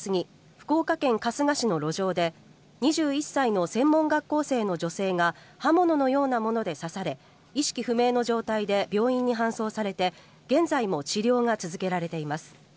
福岡県春日市の路上で２１歳の専門学校生の女性が刃物のようなもので刺され意識不明の状態で病院に搬送されて現在も治療が続けられています。